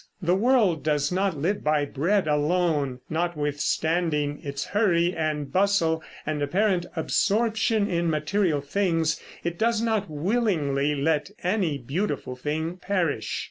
The world does not live by bread alone. Notwithstanding its hurry and bustle and apparent absorption in material things, it does not willingly let any beautiful thing perish.